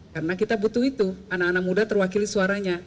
karena kita butuh itu anak anak muda terwakili suaranya